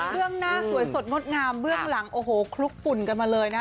เรื่องหน้าสวยสดงดงามเบื้องหลังโอ้โหคลุกฝุ่นกันมาเลยนะ